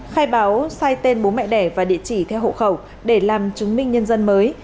khai báo sai tên bố mẹ đẻ và địa chỉ theo hộ khẩu để làm chứng minh nhân dân mới